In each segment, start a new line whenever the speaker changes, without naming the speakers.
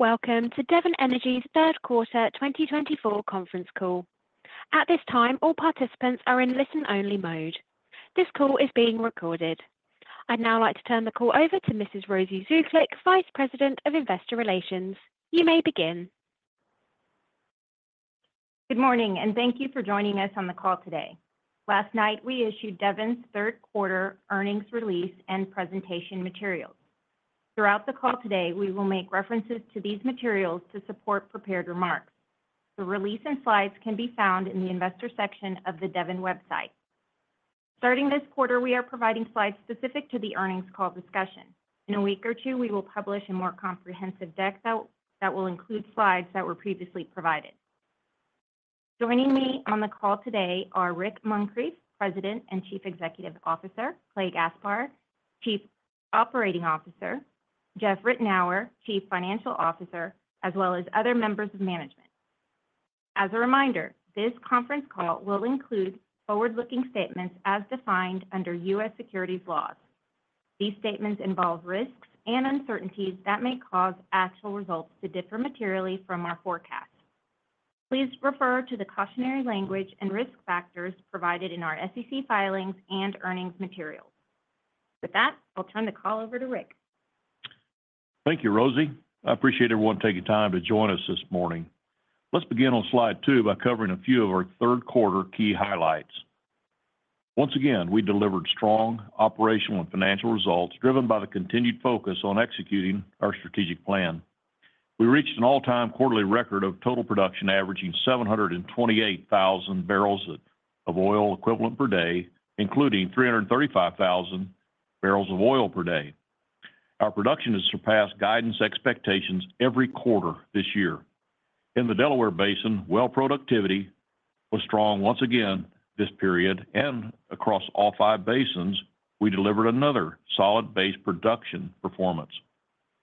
Welcome to Devon Energy's third quarter 2024 conference call. This time, all participants are in listen only mode. This call is being recorded. I'd now like to turn the call over to Mrs. Rosie Zuklic, Vice President of Investor Relations. You may begin.
Good morning and thank you for joining us on the call today. Last night we issued Devon's third quarter earnings release and presentation materials. Throughout the call today, we will make references to these materials to support prepared remarks. The release and slides can be found in the Investor section of the Devon website. Starting this quarter, we are providing slides specific to the earnings call discussion. In a week or two, we will publish a more comprehensive deck that will include slides that were previously provided. Joining me on the call today are Rick Muncrief, President and Chief Executive Officer, Clay Gaspar, Chief Operating Officer, Jeff Ritenour, Chief Financial Officer, as well as other members of management. As a reminder, this conference call will include forward-looking statements as defined under U.S. securities laws. These statements involve risks and uncertainties that may cause actual results to differ materially from our forecast. Please refer to the cautionary language and risk factors provided in our SEC filings and earnings materials. With that, I'll turn the call over to Rick.
Thank you, Rosie. I appreciate everyone taking time to join us this morning. Let's begin on slide 2 by covering a few of our third quarter key highlights. Once again we delivered strong operational and financial results driven by the continued focus on executing our strategic plan. We reached an all-time quarterly record of total production averaging 728,000 barrels of oil equivalent per day, including 335,000 barrels of oil per day. Our production has surpassed guidance expectations every quarter this year. In the Delaware Basin, well productivity was strong once again this period and across all five basins we delivered another solid base production performance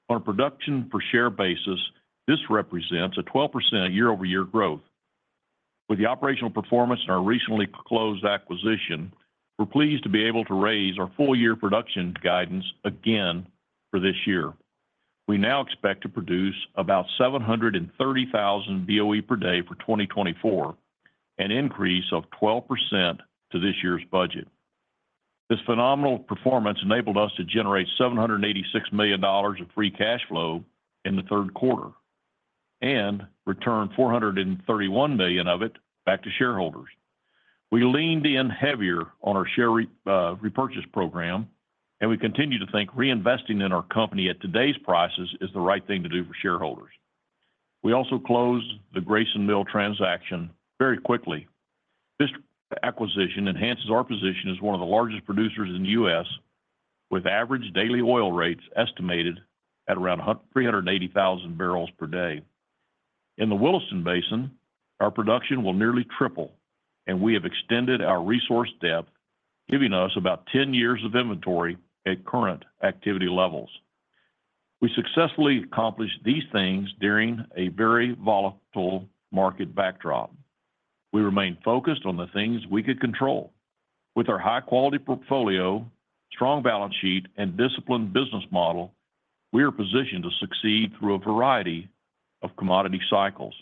on a production per share basis. This represents a 12% year-over-year growth. With the operational performance in our recently closed acquisition, we're pleased to be able to raise our full year production guidance again for this year. We now expect to produce about 730,000 boe per day for 2024, an increase of 12% to this year's budget. This phenomenal performance enabled us to generate $786 million of free cash flow in the third quarter and return $431 million of it back to shareholders. We leaned in heavier on our share repurchase program and we continue to think reinvesting in our company at today's prices is the right thing to do for shareholders. We also closed the Grayson Mill transaction very quickly. This acquisition enhances our position as one of the largest producers in the U.S. with average daily oil rates estimated at around 380,000 barrels per day in the Williston Basin, our production will nearly triple and we have extended our resource depth giving us about 10 years of inventory at current activity levels. We successfully accomplished these things during a very volatile market backdrop. We remain focused on the things we could control. With our high quality portfolio, strong balance sheet and disciplined business model, we are positioned to succeed through a variety of commodity cycles.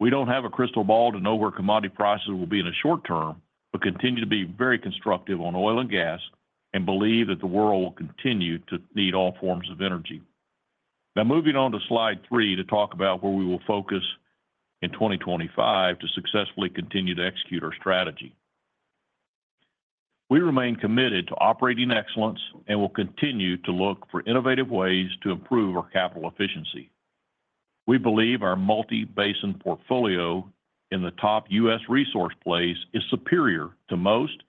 We don't have a crystal ball to know where commodity prices will be in the short term, but continue to be very constructive on oil and gas and believe that the world will continue to need all forms of energy. Now moving on to Slide 3 to talk about where we will focus in 2025 to successfully continue to execute our strategy. We remain committed to operating excellence and will continue to look for innovative ways to improve our capital efficiency. We believe our multi basin portfolio in the top U.S. Resource plays is superior to most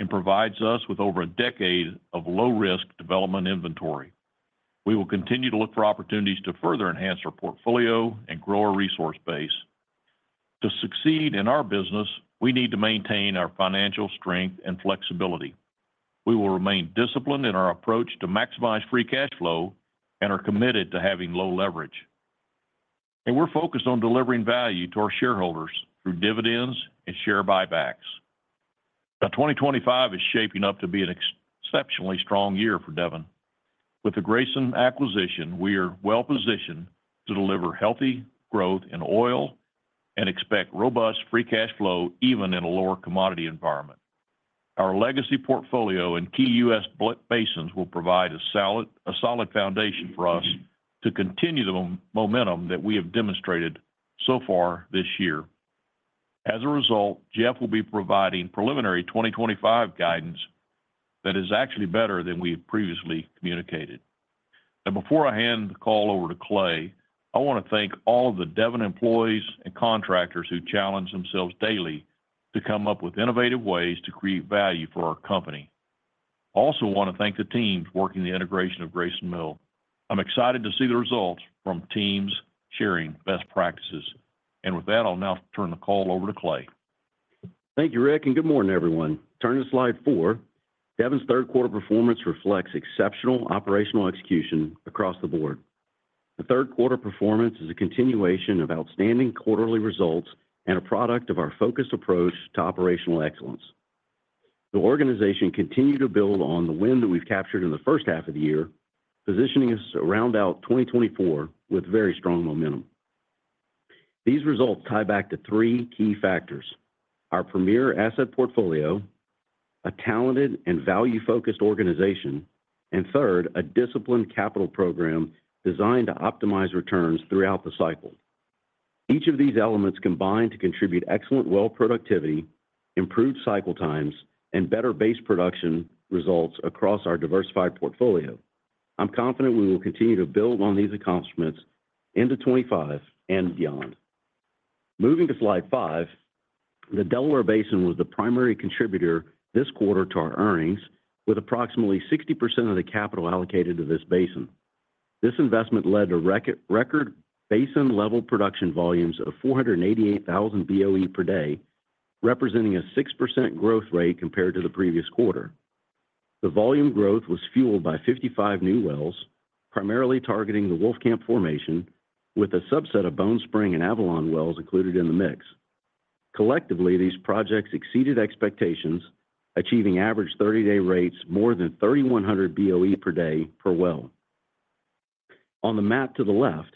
and provides us with over a decade of low risk development inventory. We will continue to look for opportunities to further enhance our portfolio and grow our resource base. To succeed in our business, we need to maintain our financial strength and flexibility. We will remain disciplined in our approach to maximize free cash flow and are committed to having low leverage. We're focused on delivering value to our shareholders through dividends and share buybacks. 2025 is shaping up to be an exceptionally strong year for Devon. With the Grayson acquisition, we are well positioned to deliver healthy growth in oil and expect robust free cash flow even in a lower commodity environment. Our legacy portfolio and key U.S. basins will provide a solid foundation for us to continue the momentum that we have demonstrated so far this year. As a result, Jeff will be providing preliminary 2025 guidance that is actually better than we previously communicated. And before I hand the call over to Clay, I want to thank all of the Devon employees and contractors who challenge themselves daily to come up with innovative ways to create value for our company. Also want to thank the teams working the integration of Grayson Mill. I'm excited to see the results from teams sharing best practices. And with that, I'll now turn the call over to Clay.
Thank you, Rick, and good morning everyone. Turn to slide 4. Devon's third quarter performance reflects exceptional operational execution across the board. The third quarter performance is a continuation of outstanding quarterly results and a product of our focused approach to operational excellence. The organization continued to build on the wind that we've captured in the first half of the year, positioning us to round out 2024 with very strong momentum. These results tie back to three key factors: our premier asset portfolio, a talented and value-focused organization, and third, a disciplined capital program designed to optimize returns throughout the cycle. Each of these elements combine to contribute excellent well productivity, improved cycle times and better base production results across our diversified portfolio. I'm confident we will continue to build on these accomplishments into 2025 and beyond. Moving to Slide 5, the Delaware Basin was the primary contributor this quarter to our earnings with approximately 60% of the capital allocated to this basin. This investment led to record basin level production volumes of 488,000 boe per day, representing a 6% growth rate compared to the previous quarter. The volume growth was fueled by 55 new wells primarily targeting the Wolfcamp formation, with a subset of Bone Spring and Avalon wells included in the mix. Collectively, these projects exceeded expectations, achieving average 30-day rates more than 3,100 boe per day per well. On the map to the left,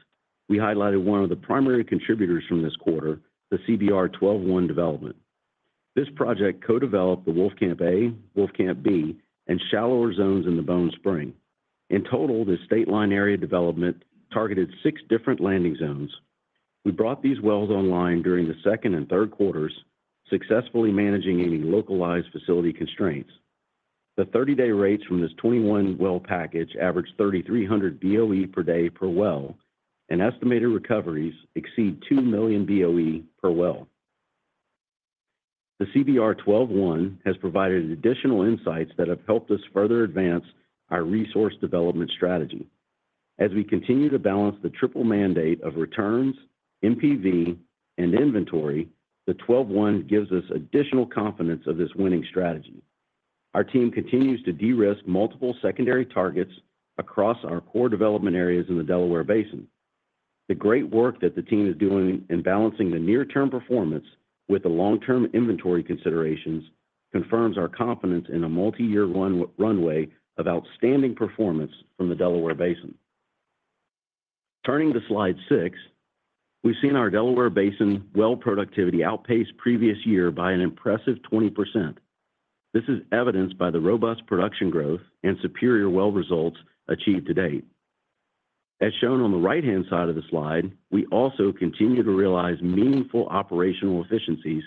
we highlighted one of the primary contributors from this quarter, the CBR 12.1 development. This project co-developed the Wolfcamp A, Wolfcamp B and shallower zones in the Bone Spring. In total, the Stateline area development targeted six different landing zones. We brought these wells online during the second and third quarters, successfully managing any localized facility constraints. The 30-day rates from this 21-well package average 3300 boe per day per well, and estimated recoveries exceed two million boe per well. The CBR 12.1 has provided additional insights that have helped us further advance our resource development strategy as we continue to balance the triple mandate of returns, NPV, and inventory. The 12.1 gives us additional confidence of this winning strategy. Our team continues to derisk multiple secondary targets across our core development areas in the Delaware Basin. The great work that the team is doing in balancing the near-term performance with the long-term inventory considerations confirms our confidence in a multi-year runway of outstanding performance from the Delaware Basin. Turning to slide 6, we've seen our Delaware Basin well productivity outpace previous year by an impressive 20%. This is evidenced by the robust production growth and superior well results achieved to date as shown on the right-hand side of the slide. We also continue to realize meaningful operational efficiencies.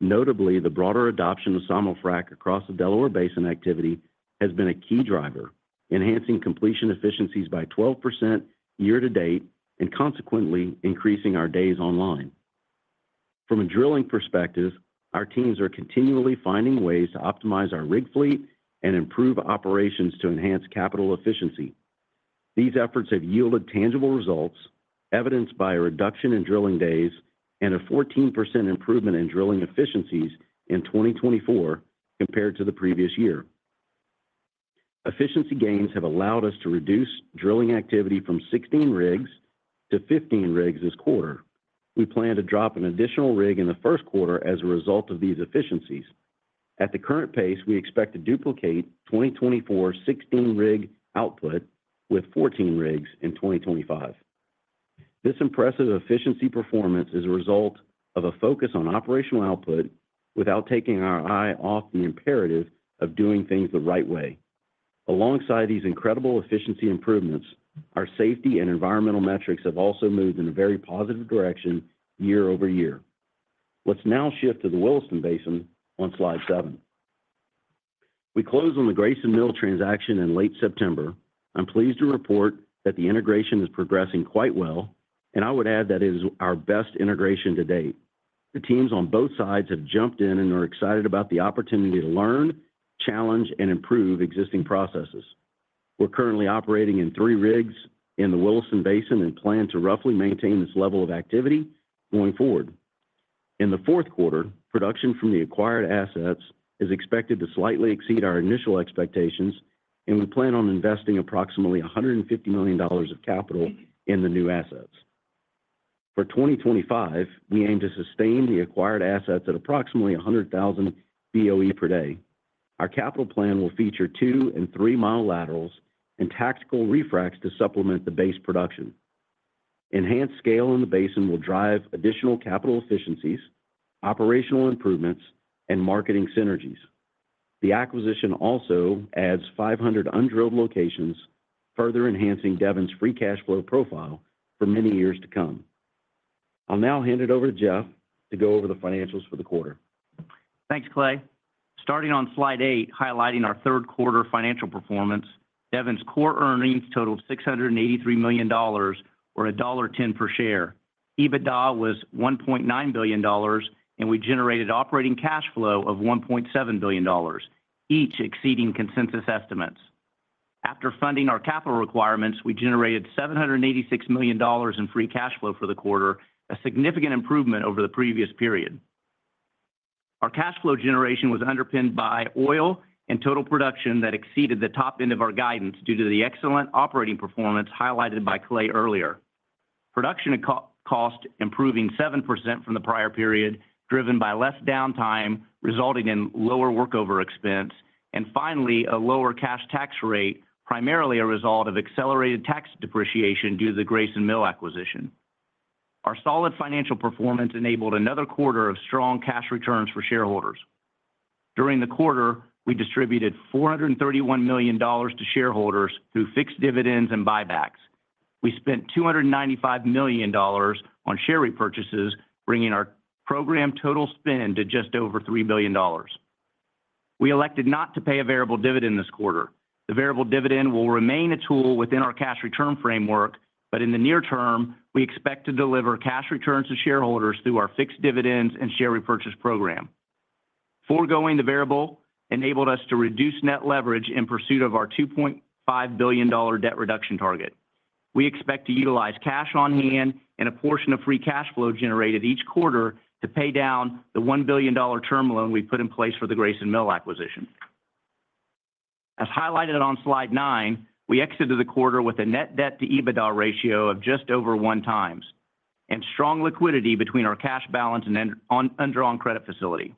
Notably, the broader adoption of simul-frac across the Delaware Basin. Activity has been a key driver enhancing completion efficiencies by 12% year to date and consequently increasing our days online. From a drilling perspective, our teams are continually finding ways to optimize our rig fleet and improve operations to enhance capital efficiency. These efforts have yielded tangible results, evidenced by a reduction in drilling days and a 14% improvement in drilling efficiencies in 2024 compared to the previous year. Efficiency gains have allowed us to reduce drilling activity from 16 rigs-15 rigs this quarter. We plan to drop an additional rig in the first quarter as a result of these efficiencies. At the current pace, we expect to duplicate 2024 16 rig output with 14 rigs in 2025. This impressive efficiency performance is a result of a focus on operational output without taking our eye off the imperative of doing things the right way. Alongside these incredible efficiency improvements, our safety and environmental metrics have also moved in a very positive direction, and year-over-year, let's now shift to the Williston Basin on Slide 7. We closed on the Grayson Mill transaction in late September. I'm pleased to report that the integration is progressing quite well, and I would add that it is our best integration to date. The teams on both sides have jumped in and are excited about the opportunity to learn, challenge and improve existing processes. We're currently operating three rigs in the Williston Basin and plan to roughly maintain this level of activity going forward. In the fourth quarter, production from the acquired assets is expected to slightly exceed our initial expectations and we plan on investing approximately $150 million of capital in the new assets for 2025. We aim to sustain the acquired assets at approximately 100,000 boe per day. Our capital plan will feature two- and three-mile laterals and tactical refracts to supplement the base production. Enhanced scale in the basin will drive additional capital efficiencies, operational improvements and marketing synergies. The acquisition also adds 500 undrilled locations, further enhancing Devon's free cash flow profile for many years to come. I'll now hand it over to Jeff to go over the financials for the quarter.
Thanks Clay. Starting on Slide 8, highlighting our third quarter financial performance, Devon's core earnings totaled $683 million, or $1.10 per share. EBITDA was $1.9 billion and we generated operating cash flow of $1.7 billion each, exceeding consensus estimates. After funding our capital requirements, we generated $786 million in free cash flow for the quarter, a significant improvement over the previous period. Our cash flow generation was underpinned by oil and total production that exceeded the top end of our guidance due to the excellent operating performance highlighted by Clay earlier production cost improving 7% from the prior period driven by less downtime resulting in lower workover expense and finally, a lower cash tax rate, primarily a result of accelerated tax depreciation due to the Grayson Mill acquisition. Our solid financial performance enabled another quarter of strong cash returns for shareholders. During the quarter, we distributed $431 million to shareholders through fixed dividends and buybacks. We spent $295 million on share repurchases, bringing our program total spend to just over $3 billion. We elected not to pay a variable dividend this quarter. The variable dividend will remain a tool within our cash return framework, but in the near term we expect to deliver cash returns to shareholders through our fixed dividends and share repurchase program. Foregoing the variable enabled us to reduce net leverage in pursuit of our $2.5 billion debt reduction target. We expect to utilize cash on hand and a portion of free cash flow generated each quarter to pay down the $1 billion term loan we put in place for the Grayson Mill acquisition. As highlighted on slide 9, we exited the quarter with a net debt to EBITDA ratio of just over one times and strong liquidity between our cash balance and undrawn credit facility.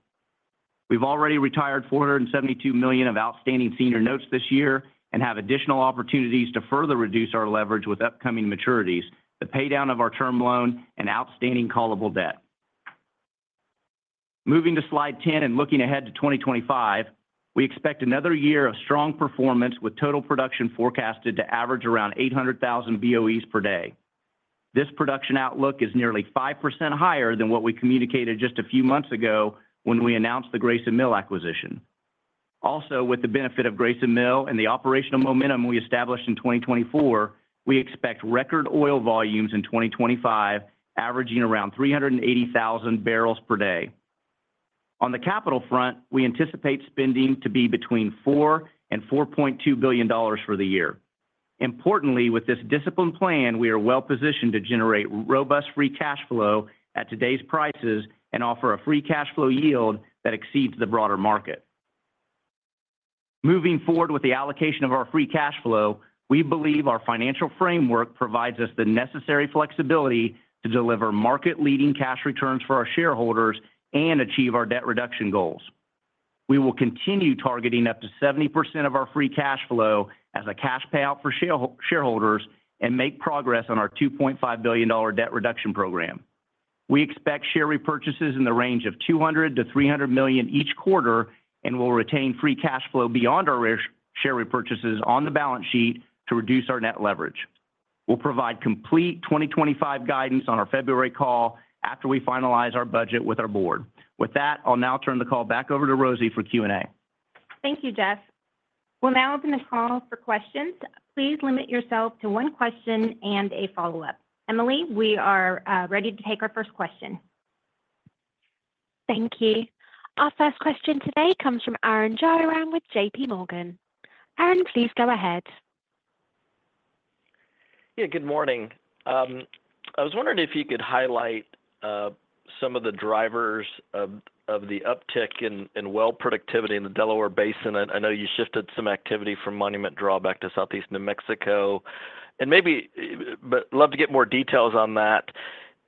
We've already retired $472 million of outstanding senior notes this year and have additional opportunities to further reduce our leverage with upcoming maturities, the paydown of our term loan and outstanding callable debt. Moving to slide 10 and looking ahead to 2025, we expect another year of strong performance with total production forecasted to average around 800,000 boes per day. This production outlook is nearly 5% higher than what we communicated just a few months ago when we announced the Grayson Mill acquisition. Also, with the benefit of Grayson Mill and the operational momentum we established in 2024, we expect record oil volumes in 2025 averaging around 380,000 barrels per day. On the capital front, we anticipate spending to be between $4 and $4.2 billion for the year. Importantly, with this disciplined plan, we are well positioned to generate robust free cash flow at today's prices and offer a free cash flow yield that exceeds the broader market. Moving forward with the allocation of our free cash flow, we believe our financial framework provides us the necessary flexibility to deliver market leading cash returns for our shareholders and achieve our debt reduction goals. We will continue targeting up to 70% of our free cash flow as a cash payout for shareholders and make progress on our $2.5 billion debt reduction program. We expect share repurchases in the range of $200-$300 million each quarter and will retain free cash flow beyond our share repurchases on the balance sheet to reduce our net leverage. We'll provide complete 2025 guidance on our February call after we finalize our budget with our board. With that, I'll now turn the call back over to Rosie for Q&A.
Thank you, Jeff. We'll now open the call for questions. Please limit yourself to one question and a follow up. Emily, we are ready to take our first question. Thank you. Our first question today comes from Arun Jayaram with JPMorgan. Arun, please go ahead.
Yeah, good morning. I was wondering if you could highlight some of the drivers of the uptick. In well productivity in the Delaware Basin. I know you shifted some activity from Monument Draw to Southeast New Mexico. Love to get more details on that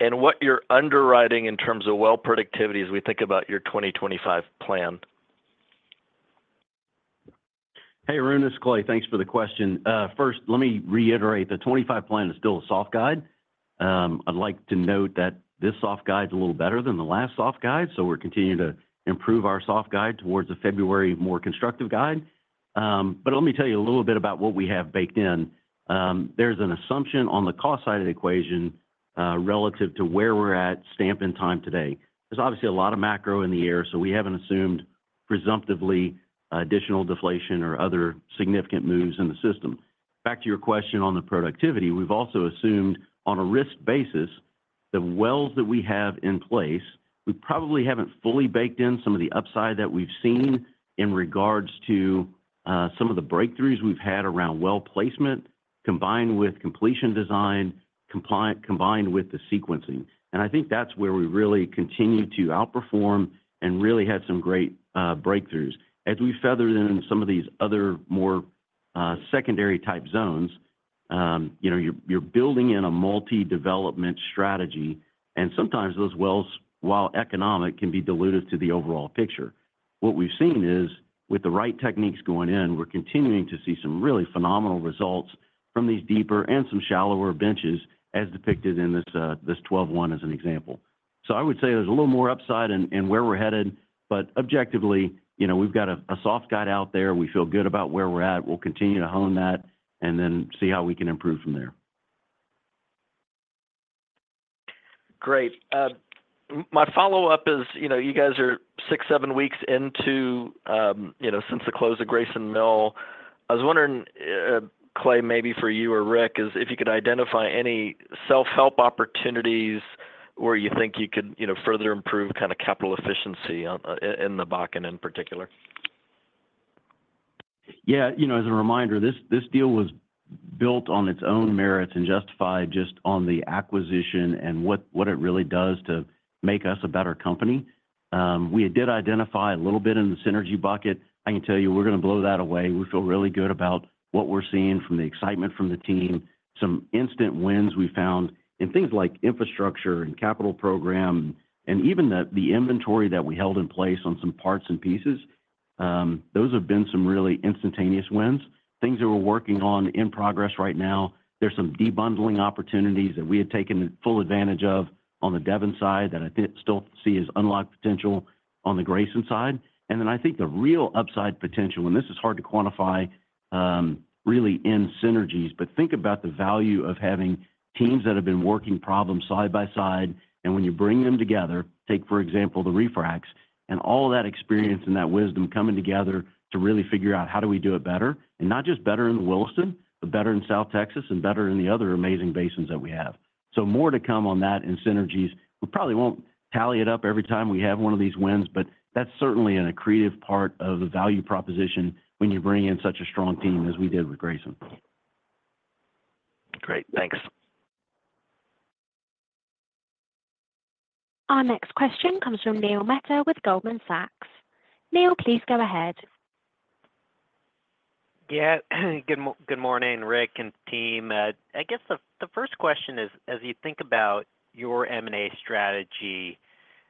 and what you're underwriting in terms of well productivity as we think about your 2025 plan.
Hey Arun, it's Clay. Thanks for the question. First, let me reiterate, the 2025 plan is still a soft guide. I'd like to note that this soft guide is a little better than the last soft guide. So we're continuing to improve our soft guide towards a February more constructive guide. But let me tell you a little bit about what we have baked in. There's an assumption on the cost side of the equation relative to where we're at this moment in time today. There's obviously a lot of macro in the air. So we haven't assumed presumptively additional deflation or other significant moves in the system. Back to your question on the productivity. We've also assumed on a risk basis the wells that we have in place. We probably haven't fully baked in some of the upside that we've seen in regards to some of the breakthroughs we've had around well placement combined with completion design combined with the sequencing. And I think that's where we really continue to outperform and really had some great breakthroughs as we feathered in some of these other more secondary type zones. You know, you're building in a multi development strategy and sometimes those wells, while economic, can be dilutive to the overall picture. What we've seen is with the right techniques going in, we're continuing to see some really phenomenal results from these deeper and some shallower benches as depicted in this 12.1 as an example. So I would say there's a little more upside and where we're headed. But objectively, you know, we've got a soft guide out there. We feel good about where we're at. We'll continue to hone that and then see how we can improve from there.
Great. My follow up is, you know, you guys are six, seven weeks into, you know, since the close of Grayson Mill. I was wondering, Clay, maybe for you or Rick, if you could identify any. Self-help opportunities where you think you could further improve capital efficiency in the Bakken in particular?
Yeah. As a reminder, this deal was built on its own merits and justified just on the acquisition and what it really does to make us a better company. We did identify a little bit in the synergy bucket. I can tell you we're going to blow that away. We feel really good about what we're seeing from the excitement from the team. Some instant wins we found in things like infrastructure and capital program and even the inventory that we held in place on some parts and pieces. Those have been some really instantaneous wins, things that we're working on in progress right now. There's some debundling opportunities that we had taken full advantage of on the Devon side that I still see as unlocked potential on the Grayson side and then I think the real upside potential, and this is hard to quantify really in synergies. But think about the value of having teams that have been working problems side by side and when you bring them together, take for example the refracts and all that experience and that wisdom coming together to really figure out how do we do it better and not just better in Williston, but better in South Texas and better in the other amazing basins that we have. So more to come on that and synergies and we probably won't tally it up every time we have one of these wins, but that's certainly an accretive part of the value proposition when you bring in such a strong team as we did with Grayson.
Great, thanks.
Our next question comes from Neil Mehta with Goldman Sachs. Neil, please go ahead.
Yeah, good morning Rick and team. I guess the first question is, as you think about your M&A strategy,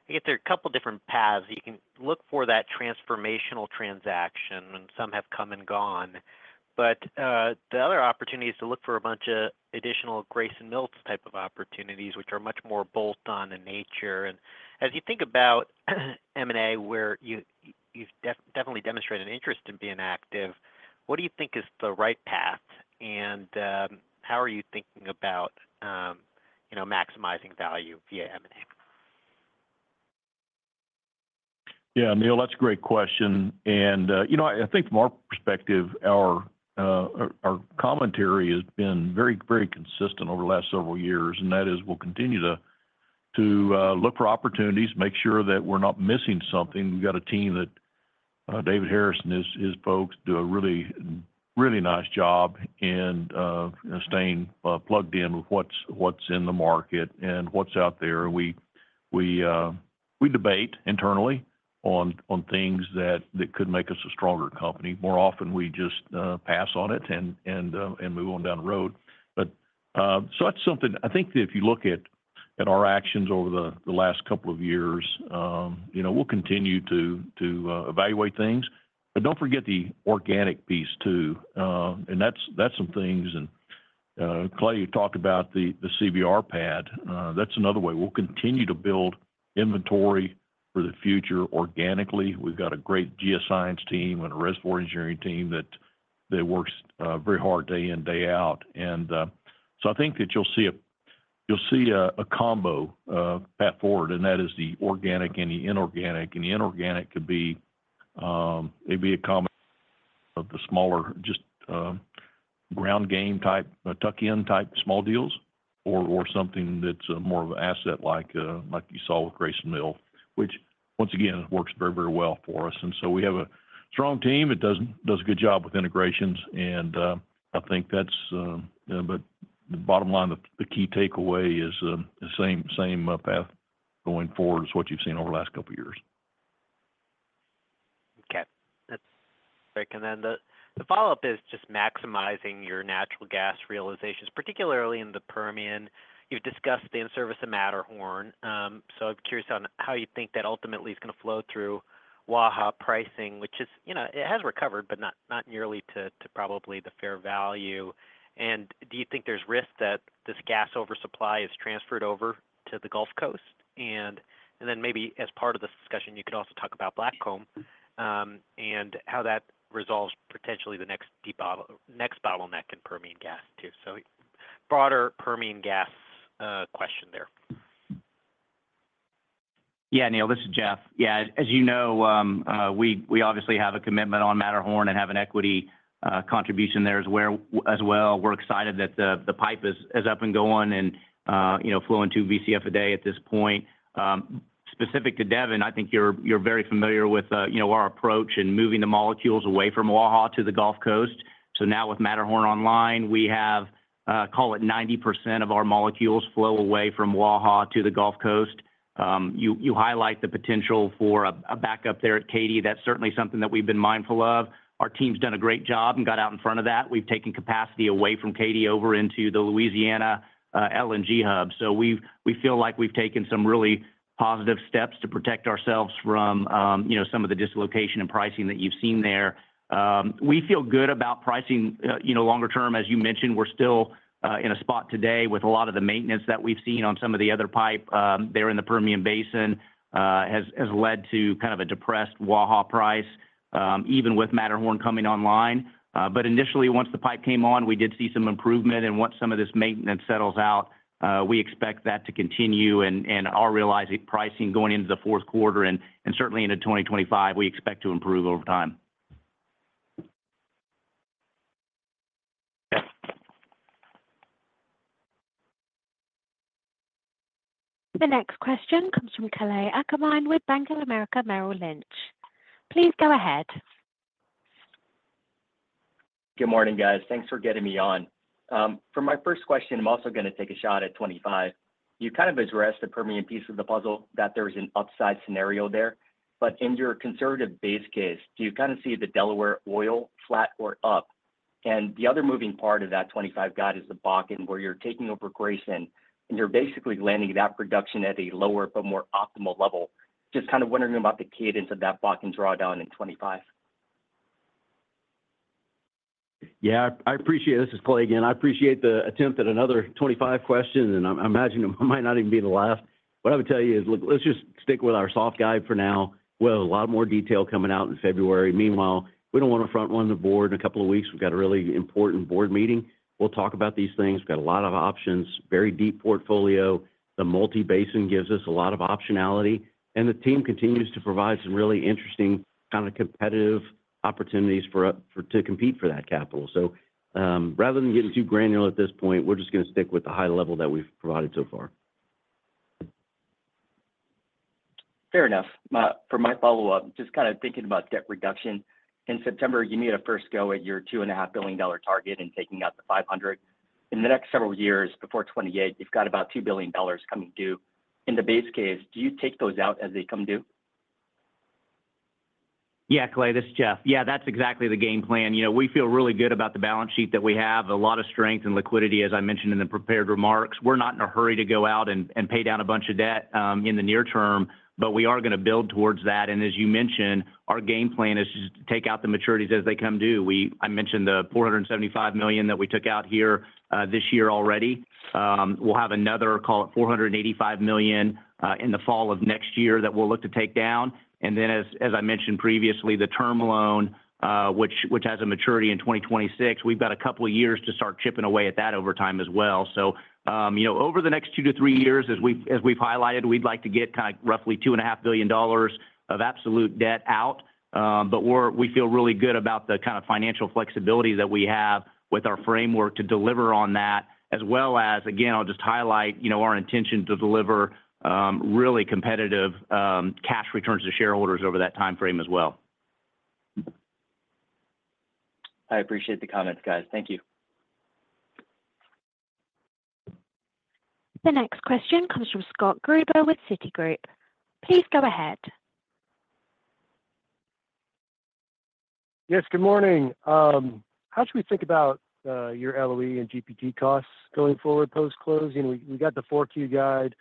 I get there are a couple different paths you can look for that transformational transaction and some have come and gone. But the other opportunity is to look for a bunch of additional Grayson Mill type of opportunities which are much more bolt-on in nature. And as you think about M&A, where you've definitely demonstrated interest in being active, what do you think is the right path and how are you thinking about maximizing value via M&A?
Yeah, Neil, that's a great question. And I think from our perspective, our commentary has been very, very consistent over the last several years. And that is, we'll continue to look for opportunities, make sure that we're not missing something. We've got a team that David Harris and his folks do a really, really nice job in staying plugged in with what's in the market and what's out there. We debate internally on things that could make us a stronger company more often. We just pass on it and move on down the road. So that's something I think if you look at our actions over the last couple of years, we'll continue to evaluate things, but don't forget the organic piece too. And that's some things. And Clay talked about the CBR pad. That's another way we'll continue to build inventory for the future organically. We've got a great geoscience tea reservoir engineering team that works very hard day in, day out. So I think that you'll see a combo path forward and that is the organic and the inorganic. And the inorganic could be it'd be a combo of the smaller just ground game type, tuck in type small deals or something that's more of an asset like you saw with Grayson Mill, which once again works very, very well for us. And so we have a strong team. It does a good job with integrations and I think that's, but the bottom line, the key takeaway is the same path going forward. What you've seen over the last couple years.
Okay. And then the follow-up is just maximizing your natural gas realizations, particularly in the Permian. You've discussed the in-service of Matterhorn. So I'm curious on how you think that ultimately is going to flow through Waha pricing, which is, you know, it has recovered, but not nearly to probably the fair value. And do you think there's risk that this gas oversupply is transferred over to the Gulf Coast? And then maybe as part of this discussion you could also talk about Blackcomb and how that resolves potentially the next bottleneck in Permian gas too. So broader Permian gas question there.
Yeah. Neil, this is Jeff. Yeah. As you know, we obviously have a commitment on Matterhorn and have an equity contribution there as well. We're excited that the pipe is up and going and you know, flowing to 2 Bcf a day at this point. Specific to Devon, I think you're very familiar with, you know, our approach in moving the molecules away from Waha to the Gulf Coast. So now with Matterhorn online, we have call it 90% of our molecules flow away from Waha to the Gulf Coast. You highlight the potential for a backup there at Katy. That's certainly something that we've been mindful of. Our team's done a great job and got out in front of that. We've taken capacity away from Katy over into the Louisiana LNG hub. So we feel like we've taken some really positive steps to protect ourselves from, you know, some of the dislocation and pricing that you've seen there. We feel good about pricing, you know, longer term. As you mentioned, we're still in a spot today with a lot of the maintenance that we've seen on some of the other pipe there in the Permian Basin has led to kind of a depressed Waha price even with Matterhorn coming online. But initially, once the pipe came on, we did see some improvement. And once some of this maintenance settles out, we expect that to continue. And our realizing pricing going into the fourth quarter and certainly into 2025, we expect to improve over time.
The next question comes from Kalei Akamine with Bank of America Merrill Lynch. Please go ahead.
Good morning, guys. Thanks for getting me on for my first question. I'm also going to take a shot at 25. You kind of addressed a Permian piece of the puzzle that there's an upside scenario there, but in your conservative base case, do you kind of see the Delaware oil flat or up and the Other moving part of that 25 quad. Is the Bakken where you're taking over Grayson and you're basically landing that production? At a lower but more optimal level. Just kind of wondering about the cadence of that Bakken drawdown in 25.
Yeah, this is Clay again. I appreciate the attempt at another 25 questions and I imagine it might not even be the last. What I would tell you is let's just stick with our soft guide for now. Well, a lot more detail coming out in February. Meanwhile, we don't want to front-run the board in a couple of weeks. We've got a really important board meeting. We'll talk about these things. Got a lot of options, very deep portfolio. The multi-basin gives us a lot of optionality and the team continues to provide some really interesting kind of competitive opportunities for to compete for that capital. So rather than getting too granular at this point, we're just going to stick with the high level that we've provided so far.
Fair enough. For my follow up, just kind of thinking about debt reduction in September. You need a first go at your. $2.5 billion target and taking out the 500 in the next several years before. 28, you've got about $2 billion coming. Due in the base case. Do you take those out as they come due?
Yeah. Clay, this is Jeff. Yeah, that's exactly the game plan. You know, we feel really good about the balance sheet, that we have a lot of strength and liquidity. As I mentioned in the prepared remarks, we're not in a hurry to go out and pay down a bunch of debt in the near term, but we are going to build towards that. And as you mentioned, our game plan is take out the maturities as they come due. I mentioned the $475 million that we took out here this year. We'll have another, call it $485 million in the fall of next year that we'll look to take down. And then as I mentioned previously, the term loan, which has a maturity in 2026, we've got a couple of years to start chipping away at that over time as well. So, you know, over the next two to three years, as we, as we've highlighted, we'd like to get roughly $2.5 billion of absolute debt out. But we feel really good about the kind of financial flexibility that we have with our framework to deliver on that as well as, again, I'll just highlight our intention to deliver really competitive cash returns to shareholders over that timeframe as well.
I appreciate the comments, guys. Thank you.
The next question comes from Scott Gruber with Citigroup. Please go ahead.
Yes, good morning. How should we think about your LOE and GP&T costs going forward? Post closing. We got the 4Q guide.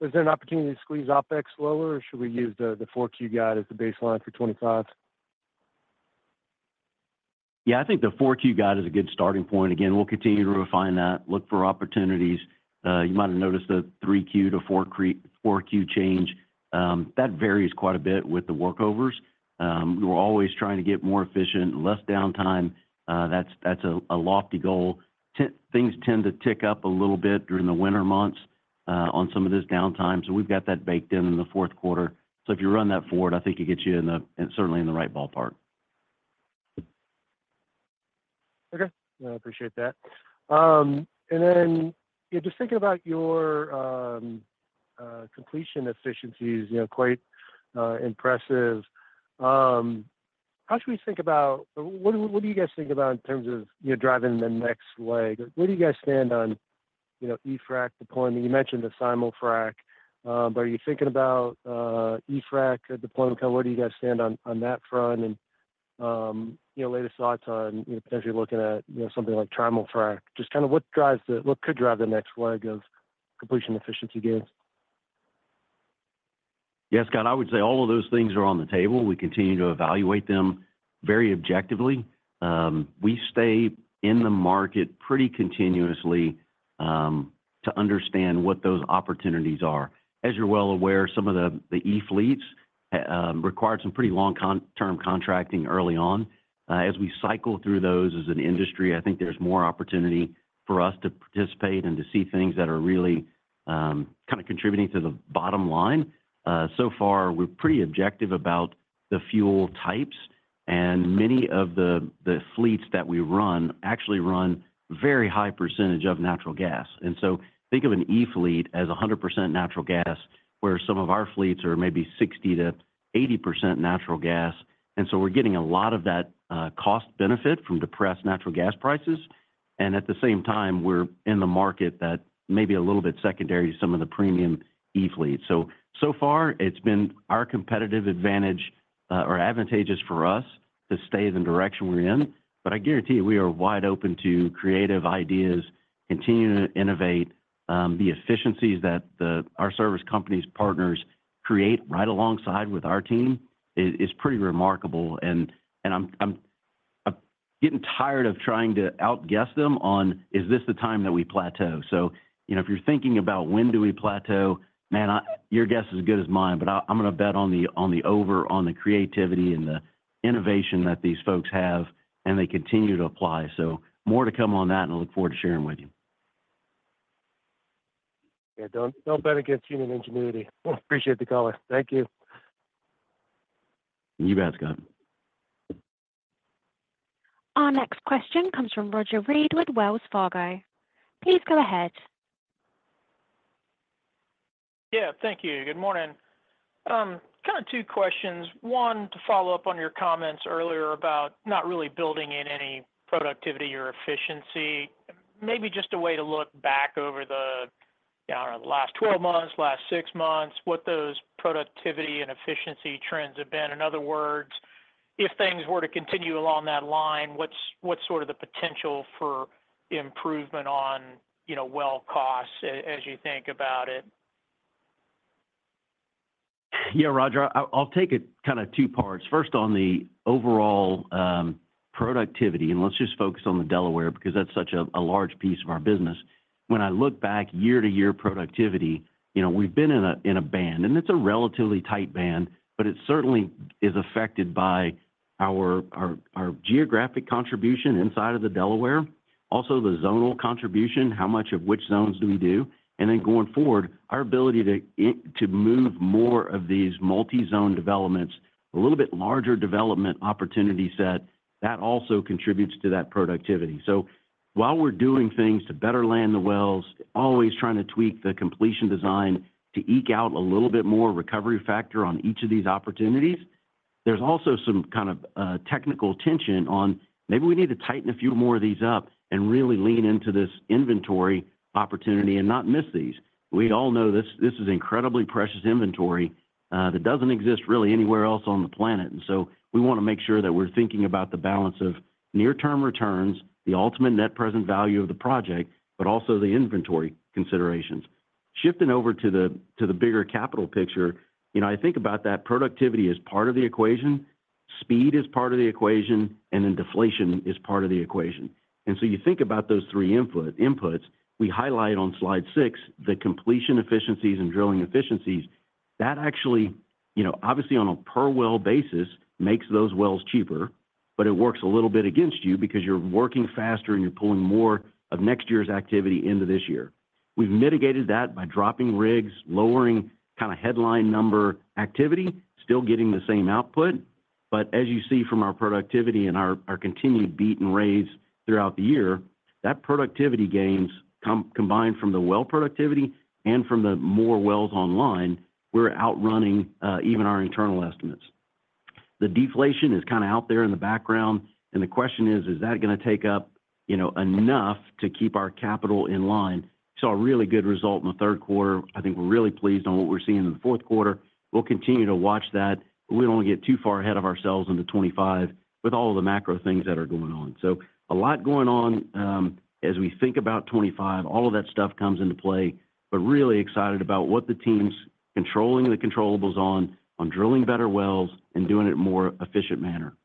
Was there an opportunity to squeeze OPEX lower or should we use the 4Q guide as the baseline for 25?
Yeah, I think the 4Q guide is a good starting point. Again, we'll continue to refine that, look for opportunities. You might have noticed the 3Q to 43 4Q change that varies quite a bit with the workovers. We're always trying to get more efficient, less downtime. That's, that's a lofty goal. Things tend to tick up a little bit during the winter months on some of this downtime. So we've got that baked in, in the fourth quarter. So if you run that forward, I think it gets you in the. Certainly in the right ballpark.
Okay, I appreciate that. Then just thinking about your completion efficiencies, you know, quite impressive. How should we think about what you guys think about in terms of driving the next leg? Where do you guys stand on E-frac deployment? You mentioned the simul-frac, but are you thinking about E-frac deployment? Kind of. Where do you guys stand on that front and latest thoughts on potentially looking at something like trimul-frac, just kind of what could drive the next leg of completion efficiency gains?
Yes, Scott, I would say all of those things are on the table. We continue to evaluate them very objectively. We stay in the market pretty continuously to understand what those opportunities are. As you're well aware, some of the E-frac fleets required some pretty long-term contracting early on. As we cycle through those as an industry, I think there's more opportunity for us to participate and to see things that are really kind of contributing to the bottom line. So far we're pretty objective about the fuel types and many of the fleets that we run actually run very high percentage of natural gas. And so think of an e fleet as 100% natural gas where some of our fleets are maybe 60%-80% natural gas. And so we're getting a lot of that cost benefit from depressed natural gas prices. And at the same time we're in the market that may be a little bit secondary to some of the premium fleet. So so far it's been our competitive advantage or advantageous for us to stay the direction we're in. But I guarantee you we are wide open to creative ideas, continue to innovate. The efficiencies that our service companies partners create right alongside with our team is pretty remarkable and I'm getting tired of trying to outguess them on is this the time that we plateau? So you know, if you're thinking about when do we plateau, man, your guess is as good as mine. But I'm going to bet on the, on the over on the creativity and the innovation that these folks have and they continue to apply. So more to come on that and I look forward to sharing with you.
Don't bet against human ingenuity. Appreciate the call, thank you.
You bet, Scott.
Our next question comes from Roger Read with Wells Fargo. Please go ahead.
Yeah, thank you. Good morning. Kind of two questions, one to follow. Up on your comments earlier about not. Really building in any productivity or efficiency. Maybe just a way to look back over the last 12 months, last six. Months, what those productivity and efficiency trends have been. In other words, if things were to. Continue along that line, what's sort of the potential for improvement on, well, costs as you think about it?
Yeah, Roger, I'll take it kind of two parts. First on the overall productivity and let's just focus on the Delaware because that's such a large piece of our business. When I look back year to year. Productivity, you know, we've been in a band and it's a relatively tight band, but it certainly is affected by our geographic contribution inside of the Delaware Basin, also the zonal contribution, how much of which zones do we do? And then going forward our ability to move more of these multi zone developments a little bit larger development opportunity set that also contributes to that productivity. So while we're doing things to better land the wells, always trying to tweak the completion design to eke out a little bit more recovery factor on each of these opportunities. There's also some kind of technical tension on. Maybe we need to tighten a few more of these up and really lean into this inventory opportunity and not miss these. We all know this, this is incredibly precious inventory that doesn't exist really anywhere else on the planet. We want to make sure that we're thinking about the balance of near term returns, the ultimate net present value of the project, but also the inventory considerations shifting over to the bigger capital picture. You know, I think about that productivity is part of the equation, speed is part of the equation and then deflation is part of the equation. You think about those three inputs we highlight on slide six, the completion efficiencies and drilling efficiencies that actually, you know, obviously on a per well basis makes those wells cheaper, but it works a little bit against you because you're working faster and you're pulling more of next year's activity into this year. We've mitigated that by dropping rigs, lowering kind of headline number activity, still getting the same output. But as you see from our productivity and our continued beat and raise throughout the year, that productivity gains combined from the well productivity and from the more wells online, we're outrunning even our internal estimates. The deflation is kind of out there in the background and the question is, is that going to take up, you know, enough to keep our capital in line? Saw a really good result in the third quarter. I think we're really pleased on what we're seeing in the fourth quarter. We'll continue to watch that we don't get too far ahead of ourselves on the 25 with all of the macro things that are going on. So, a lot going on as we think about 2025, all of that stuff comes into play, but really excited about what the team's controlling the controllables on drilling better wells and doing it more efficient manner.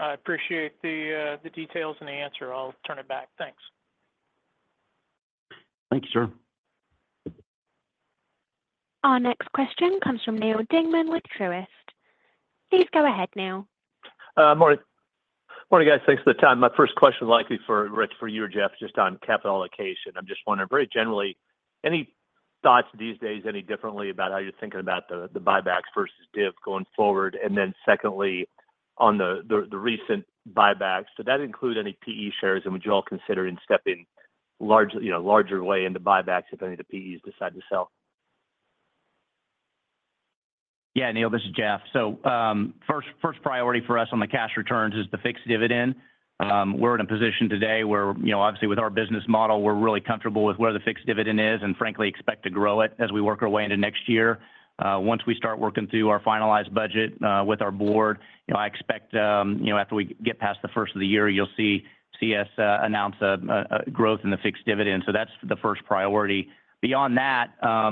I appreciate the details and the answer. I'll turn it back, thanks.
Thank you, sir.
Our next question comes from Neal Dingmann with Truist. Please go ahead, Neal.
Maurice. Morning guys. Thanks for the time. My first question, likely for Rick, for you or Jeff, just on capital allocation. I'm just wondering very generally any thoughts. These days any differently about how you're. Thinking about the buybacks versus Div going forward? And then, secondly, on the recent buybacks. Did that include any PE shares? And would you all consider in stepping. Leverage, you know, larger way into buybacks. If any of the PEs decide to sell?
Yeah. Neal, this is Jeff. So first, first priority for us on the cash returns is the fixed dividend. We're in a position today where, you know, obviously with our business model we're really comfortable with where the fixed dividend is and frankly expect to grow it as we work our way into next year. Once we start working through our finalized budget with our board, you know, I expect, you know, after we get past the first of the year, you'll see us announce growth in the fixed dividend. So that's the first priority. Beyond that,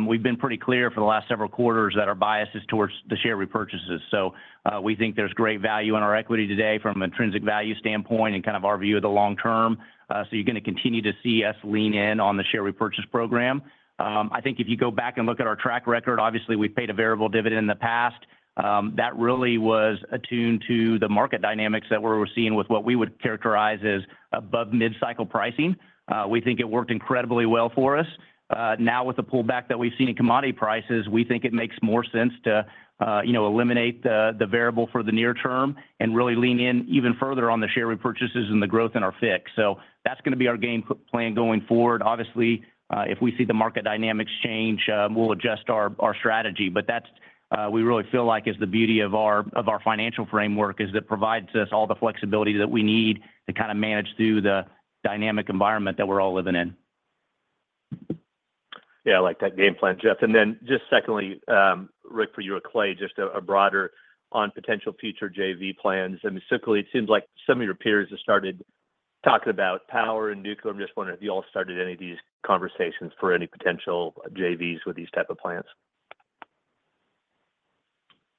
we've been pretty clear for the last several quarters that our bias is towards the share repurchases. So we think there's great value in our equity today from intrinsic value standpoint and kind of our view of the long term. So you're going to continue to see us lean in on the share repurchase program. I think if you go back and look at our track record, obviously we've paid a variable dividend in the past that really was attuned to the market dynamics that we're seeing with what we would characterize as above mid-cycle pricing. We think it worked incredibly well for us. Now with the pullback that we've seen in commodity prices, we think it makes more sense to eliminate the variable for the near term and really lean in even further on the share repurchases and the growth in our fixed. So that's going to be our game plan going forward. Obviously if we see the market dynamics change, we'll adjust our strategy. But that's we really feel like is the beauty of our financial framework is that provides us all the flexibility that we need to kind of manage through the dynamic environment that we're all living in.
Yeah, I like that game plan, Jeff. And then just secondly, Rick, for your. Clay, just a broader on potential future JV plans and it seems like some of your peers have started talking about power and nuclear. I'm just wondering if you all started any of these conversations for any potential JVs with these type of plants.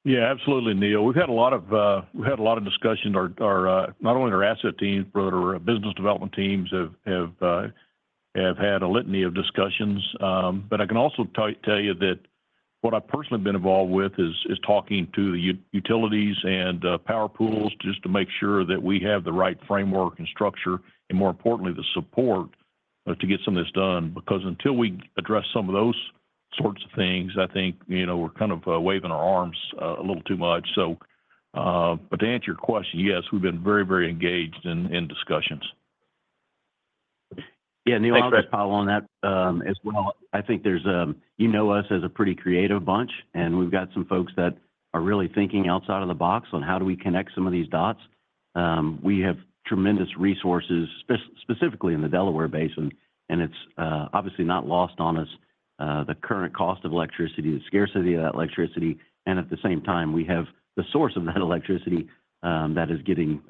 Yeah, absolutely, Neil. We've had a lot of, we've had a lot of discussions. Not only our asset teams, but our business development teams have, have had a litany of discussions. But I can also tell you that what I've personally been involved with is talking to the utilities and power pools just to make sure that we have the right framework and structure and more importantly, the support to get some of this done. Because until we address some of those sorts of things, I think we're kind of waving our arms a little too much. But to answer your question, yes, we've been very, very engaged in discussions.
Yeah, Neil, I'll just follow on that as well. I think there's, you know, us as a pretty creative bunch and we've got some folks that are really thinking outside of the box on how do we connect some of these dots. We have tremendous resources, specifically in the Delaware Basin and it's obviously not lost on us the current cost of electricity, the scarcity of that electricity and at the same time we have the source of that electricity that is getting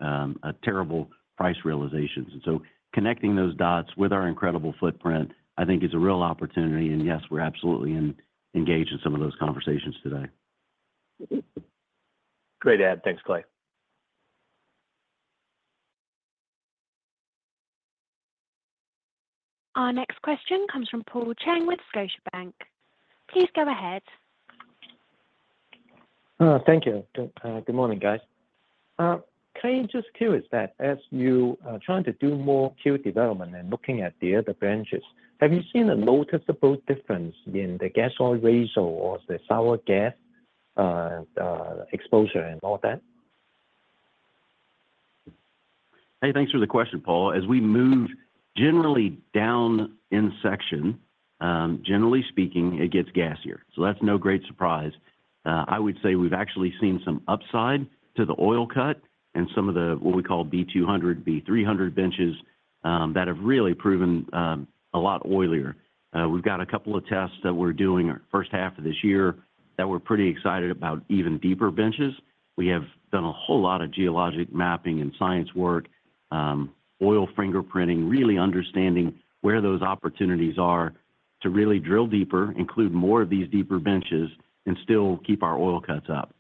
terrible price realizations. And so connecting those dots with our incredible footprint I think is a real opportunity. And yes, we're absolutely engaged in some of those conversations today.
Great add. Thanks, Clay.
Our next question comes from Paul Cheng with Scotiabank. Please go ahead.
Thank you. Good morning guys. Just curious that as you try to do more Q development and looking at the other benches, have you seen a noticeable difference in the gas oil ratio or the sour gas exposure and all that?
Hey, thanks for the question, Paul. As we move generally down in section, generally speaking it gets gassier, so that's no great surprise. I would say we've actually seen some upside to the oil cut and some of the what we call B200, B300 benches that have really proven a lot oilier. We've got a couple of tests that we're doing first half of this year that we're pretty excited about. Even deeper benches. We have done a whole lot of geologic mapping and science work, oil fingerprinting, really understanding where those opportunities are to really drill deeper, include more of these deeper benches and still keep our oil cuts up,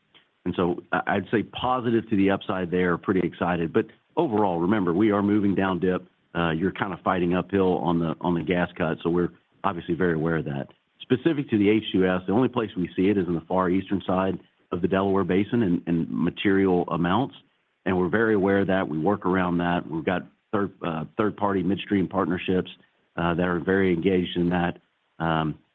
and so I'd say positive to the upside. They're pretty excited, but overall, remember we are moving down dip. You're kind of fighting uphill on the gas cut, so we're obviously very aware of that specific to the H2S. The only place we see it is in the far eastern side of the Delaware Basin and material amounts of it and we're very aware of that. We work around that. We've got third party midstream partnerships that are very engaged in that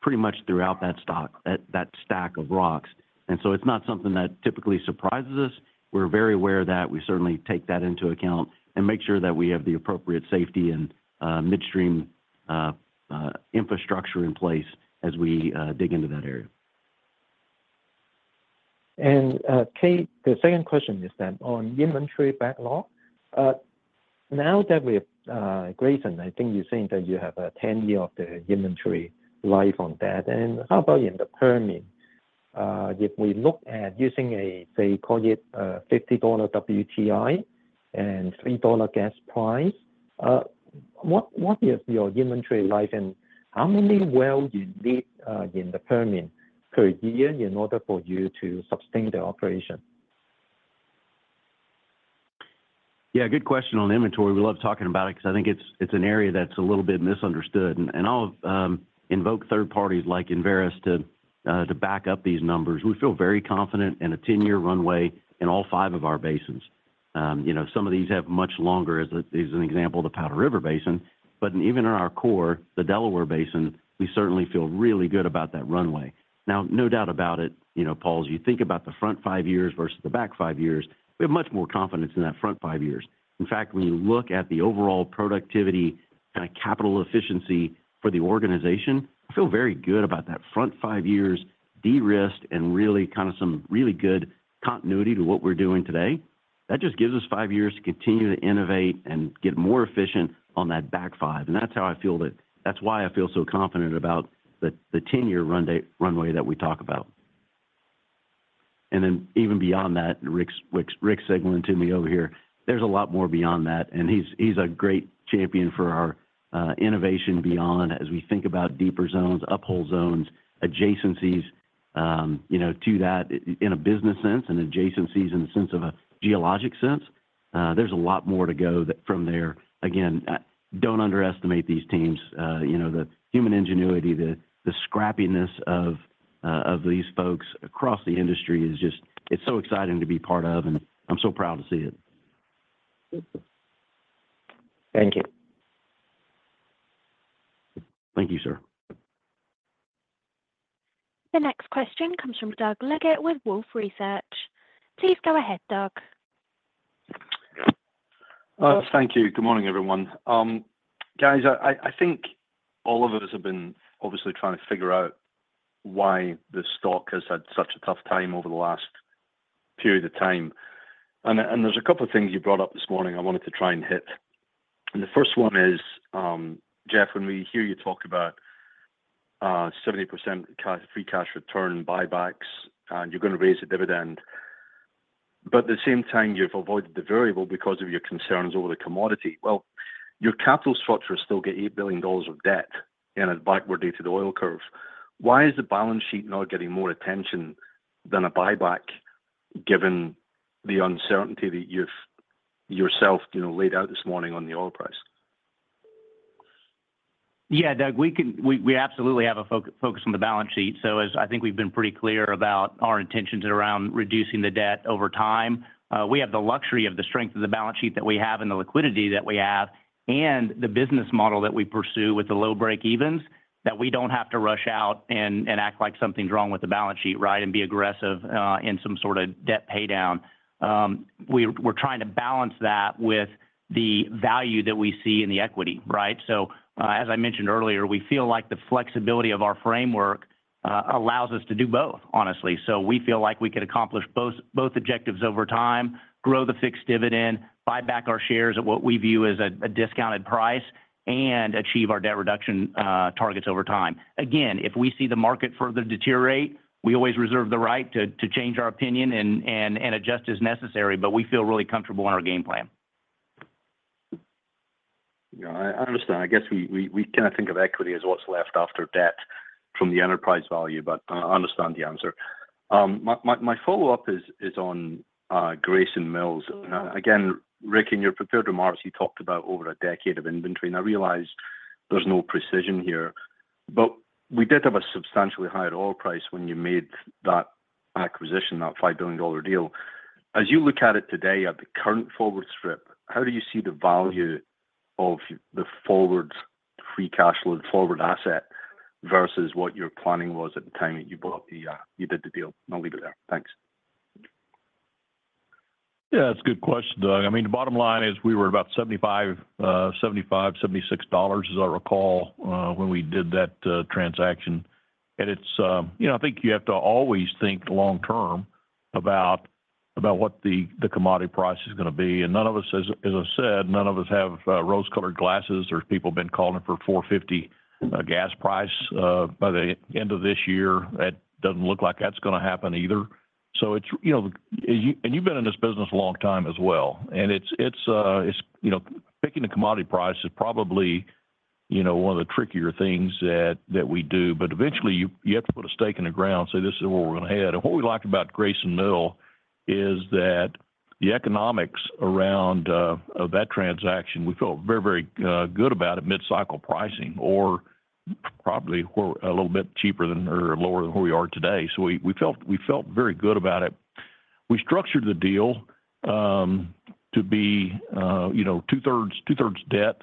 pretty much throughout that stack, that stack of rocks, and so it's not something that typically surprises us. We're very aware of that. We certainly take that into account and make sure that we have the appropriate safety and midstream infrastructure in place as we dig into that area.
And Clay, the second question is that on inventory backlog, now that we've Grayson, I think you think that you have a 10-year inventory life on that. And how about in the Permian, if we look at using a, say call it $50 WTI and $3 gas price, what is your inventory life and how many wells you need in the Permian per year in order for you to sustain the operation?
Yeah, good question. On inventory, we love talking about it because I think it's an area that's a little bit misunderstood. And I'll invoke third parties like Enverus to back up these numbers. We feel very confident in a 10-year runway in all five of our basins. You know, some of these have much longer. As an example, the Powder River Basin, but even in our core, the Delaware Basin, we certainly feel really good about that runway now. No doubt about it. You know, Paul, as you think about the front five years versus the back five years, we have much more confidence in that front five years. In fact, when you look at the overall productivity, capital, efficiency for the organization, feel very good about that front five years de-risked and really kind of some really good continuity to what we're doing today. That just gives us five years to continue to innovate and get more efficient on that back five. And that's how I feel that that's why I feel so confident about the 10-year runway that we talk about. And then even beyond that, Rick is signaling to me over here. There's a lot more beyond that. And he's a great champion for our innovation beyond, as we think about deeper zones, uphole zones, adjacencies, you know, to that in a business sense and adjacencies in the sense of a geologic sense. There's a lot more to go from there. Again, don't underestimate these teams. You know, the human ingenuity, the scrappiness of these folks across the industry is just. It's so exciting to be part of and I'm so proud to see it.
Thank you.
Thank you, sir.
The next question comes from Doug Leggate with Wolfe Research. Please go ahead, Doug.
Thank you. Good morning everyone. Guys, I think all of us have been obviously trying to figure out why the stock has had such a tough time over the last period of time. And there's a couple of things you. Brought up this morning, I wanted to try and hit. And the first one is, Jeff, when we hear you talk about 70% free cash return buybacks and you're going to raise a dividend, but at the same. time you've avoided the variable because of. Your concerns over the commodity? Well, your capital structure still get $8 billion of debt and a backwardated oil curve. Why is the balance sheet now getting more attention than a buyback given the uncertainty that you've yourself laid out this morning on the oil price?
Yeah, Doug, we absolutely have a focus on the balance sheet. So I think we've been pretty clear about our intentions around reducing the debt over time. We have the luxury of the strength of the balance sheet that we have and the liquidity that we have and the business model that we pursue with the low breakevens that we don't have to rush out and act like something's wrong with the balance sheet. Right. And be aggressive in some sort of debt paydown. We're trying to balance that with the value that we see in the equity. Right. So as I mentioned earlier, we feel like the flexibility of our framework allows us to do both honestly. So we feel like we could accomplish both, both objectives over time, grow the fixed dividend, buy back our shares at what we view as a discounted price, and achieve our debt reduction targets over time. Again, if we see the market further deteriorate, we always reserve the right to change our opinion and adjust as necessary. But we feel really comfortable in our game plan.
I understand. I guess we kind of think of equity as what's left after debt from the enterprise value. But I understand the answer. My follow up is on Grayson Mill. Again, Rick, in your prepared remarks, you talked about over a decade of inventory, and I realize there's no precision here, but we did have a substantially higher oil price when you made that acquisition, that $5 billion deal. As you look at it today at the current forward strip, how do you see the value of the forward free cash flow, forward asset versus what your planning was at the time that you bought the? You did the deal. I'll leave it there, thanks.
Yeah, that's a good question, Doug. I mean, the bottom line is we were about 75, 75, $76, as I recall, when we did that transaction. And it's, you know, I think you have to always think long-term about what the commodity price is going to be. And none of us, as I said, none of us have rose-colored glasses or people been calling for $4 gas price by the end of this year. It doesn't look like that's going to happen either. So it's, you know, and you've been in this business a long time as well and it's, you know picking the commodity price is probably, you know, one of the trickier things that we do. But eventually you have to put a stake in the ground, say this is where we're going to head. What we like about Grayson Mill is that the economics around that transaction we felt very, very good about at mid-cycle pricing or probably a little bit cheaper than, or lower than where we are today. So we felt very good about it. We structured the deal to be, you know, two-thirds debt,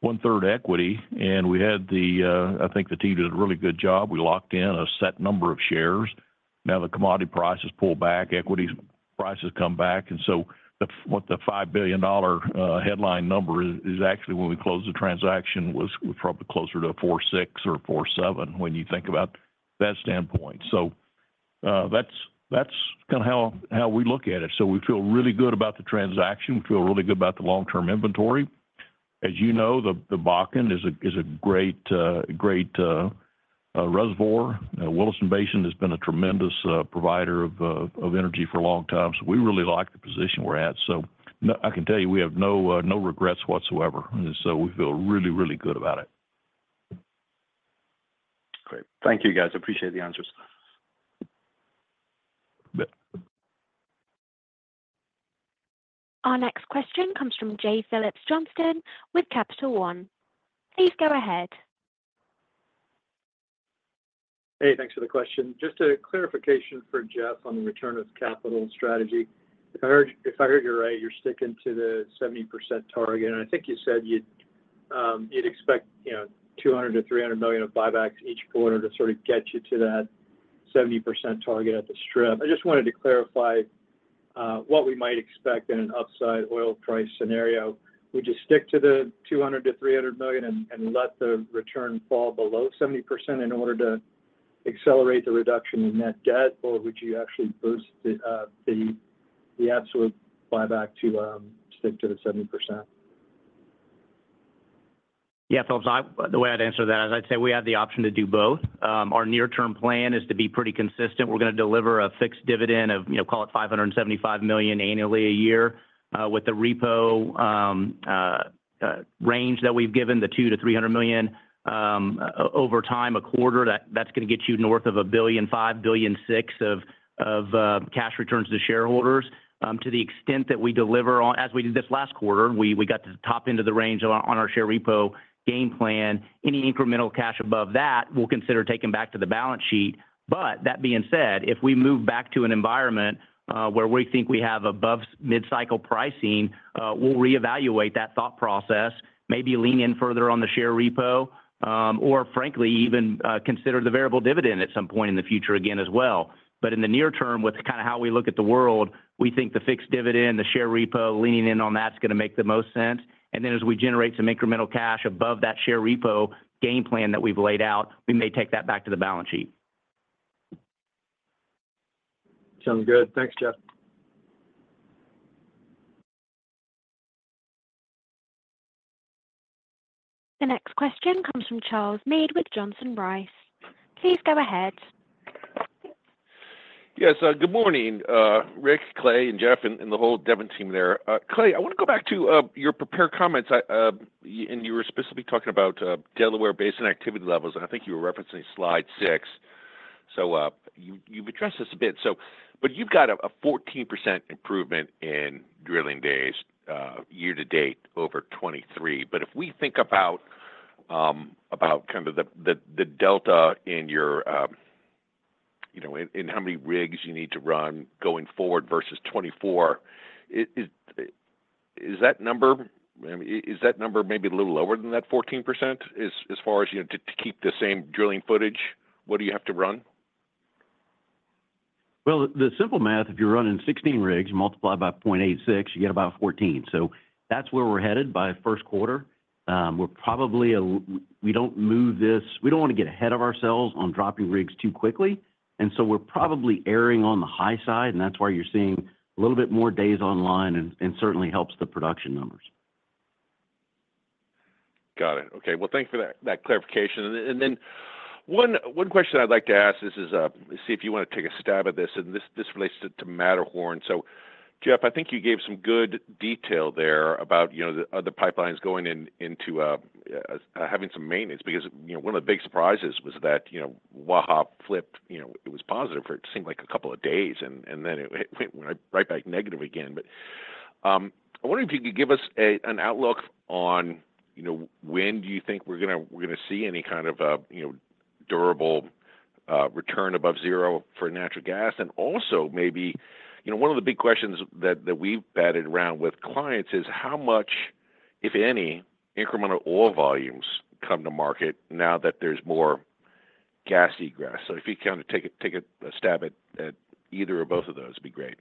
one-third equity and we had the, I think the team did a really good job. We locked in a set number of shares. Now the commodity prices pull back, equities prices come back. And so what the $5 billion headline number is actually when we closed the transaction was probably closer to $4.6 or $4.7 when you think about that standpoint. So that's kind of how we look at it. So we feel really good about the transaction, we feel really good about the long-term inventory. As you know, the Bakken is a great, great reservoir. Williston Basin has been a tremendous provider of energy for a long time. So we really like the position we're at. So I can tell you we have no regrets whatsoever. So we feel really, really good about it.
Great. Thank you, guys. Appreciate the answers.
Our next question comes from Phillips Johnston with Capital One. Please go ahead.
Hey, thanks for the question. Just a clarification for Jeff on the return of capital strategy. If I heard you right, you're sticking to the 70% target. I think you said you'd expect $200 million-$300 million of buybacks each quarter to sort of get you to that 70% target at the strip. I just wanted to clarify what we might expect in an upside oil price scenario. Would you stick to the $200 million-$300 million and let the return fall below 70% in order to accelerate the reduction in net debt or would you actually boost the absolute buyback to stick to the 70%?
Yeah, Phillips, the way I'd answer that is I'd say we have the option to do both. Our near term plan is to be pretty consistent. We're going to deliver a fixed dividend of, you know, call it $575 million annually a year. With the repo range that we've given the $2-$300 million over time a quarter that's going to get you north of a billion, $5 billion, $6 billion of cash returns to shareholders. To the extent that we deliver on, as we did this last quarter, we got to the top end of the range on our share repo game plan. Any incremental cash above that we'll consider taking back to the balance sheet. But that being said, if we move back to an environment where we think we have above mid-cycle pricing, we'll reevaluate that thought process, maybe lean in further on the share repo or frankly even consider the variable dividend at some point in the future again as well as, but in the near term with kind of how we look at the world, we think the fixed dividend, the share repo leaning in on that is going to make the most sense. And then as we generate some incremental cash above that share repo game plan that we've laid out, we may take that back to the balance sheet.
Sounds good. Thanks, Jeff.
The next question comes from Charles Meade with Johnson Rice. Please go ahead.
Yes, good morning Rick, Clay and Jeff and the whole Devon team there. Clay, I want to go back to your prepared comments and you were specifically talking about Delaware Basin activity levels and I think you were referencing slide 6. So you've addressed this a bit, but you've got a 14% improvement in drilling days year to date over 2023. But if we think about kind of the delta in your, you know, in how many rigs you need to run going forward versus 2024. Is that number maybe a little lower than that 14%? As far as you know, to keep the same drilling footage, what do you have to run?
The simple math, if you're running 16 rigs multiplied by 0.86, you get about 14, so that's where we're headed. By first quarter we're probably, we don't move this. We don't want to get ahead of ourselves on dropping rigs too quickly, and so we're probably erring on the high side and that's why you're seeing a little bit more days online and certainly helps the production numbers.
Got it. Okay, well, thank you for that clarification. And then one question I'd like to ask is see if you want to take a stab at this. And this relates to Matterhorn. So Jeff, I think you gave some good detail there about other pipelines going into having some maintenance because one of the big surprises was that Waha flipped. It was positive for it seemed like a couple of days and then it went right back negative again. I wonder if you could give us an outlook on when do you think we're going to see any kind of durable return above zero for natural gas. And also maybe one of the big questions that we've batted around with clients is how much, if any, incremental oil volumes come to market now that there's more gas egress. So if you kind of take a stab at either or both of those, it'd be great.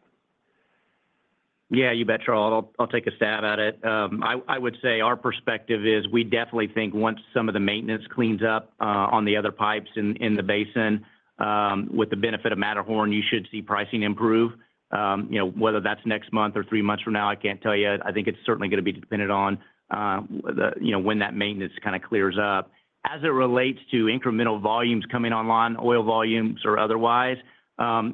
Yeah, you bet, Charles, I'll take a stab at it. I would say our perspective is we definitely think once some of the maintenance cleans up on the other pipes in the basin with the benefit of Matterhorn, you should see pricing improvements. You know, whether that's next month or three months from now, I can't tell you. I think it's certainly going to be dependent on, you know, when that maintenance kind of clears up. As it relates to incremental volumes coming online, oil volumes or otherwise.